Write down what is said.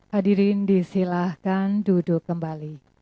hadirin disilahkan duduk kembali